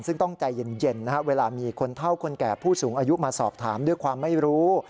ซึ่งต้องใจเย็นเวลามีคนเท่าคนแก่ผู้สูงอายุมาสอบถามด้วยความไม่รู้